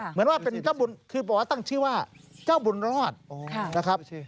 เหมือนว่าเป็นเจ้าบุญคือบอกว่าตั้งชื่อว่าเจ้าบุญรอดนะครับ